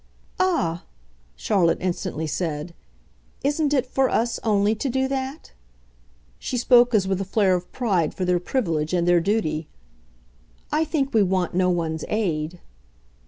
"Ah," Charlotte instantly said, "isn't it for us, only, to do that?" She spoke as with a flare of pride for their privilege and their duty. "I think we want no one's aid."